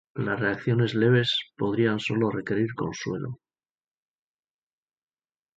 Las reacciones leves podrían sólo requerir consuelo.